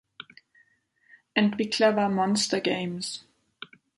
Entwickler war Monster Games.